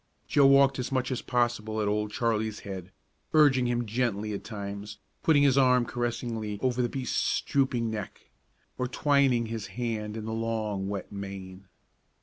Joe walked as much as possible at Old Charlie's head, urging him gently at times, putting his arm caressingly over the beast's drooping neck, or twining his hand in the long, wet mane.